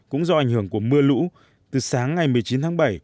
cũng do ảnh hưởng của mưa lũ từ sáng ngày một mươi chín tháng bảy